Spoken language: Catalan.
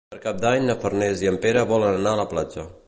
Per Cap d'Any na Farners i en Pere volen anar a la platja.